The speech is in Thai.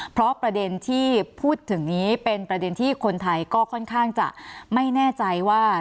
เพราะประเด็นที่พูดถึงนี้เป็นประเด็นที่คนไทยก็ค่อนข้างจะไม่แน่ใจว่า